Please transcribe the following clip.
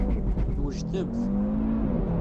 Twejdemt.